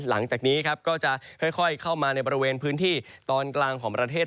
หลังจากนี้ครับก็จะค่อยเข้ามาในบริเวณพื้นที่ตอนกลางของประเทศ